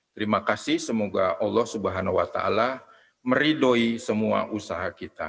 terima kasih semoga allah swt meridoi semua usaha kita